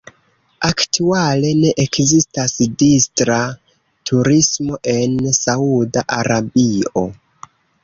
Aktuale ne ekzistas distra turismo en Sauda Arabio.